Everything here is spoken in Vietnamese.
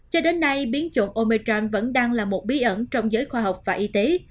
cho đến nay biến chủng omecham vẫn đang là một bí ẩn trong giới khoa học và y tế